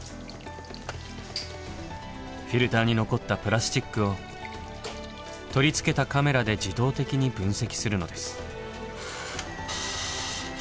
フィルターに残ったプラスチックを取り付けたカメラで自動的に分析するのです。